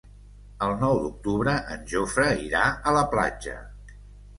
El nou d'octubre en Jofre irà a la platja.